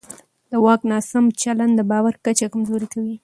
د واک ناسم چلند د باور کچه کمزوری کوي